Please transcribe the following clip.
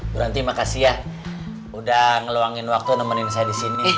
bu ranti makasih ya udah ngeluangin waktu nemenin saya di sini